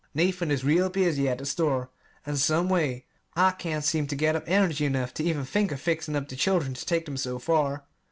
Nathan is real busy at the store; and, some way, I can't seem to get up energy enough to even think of fixing up the children to take them so far.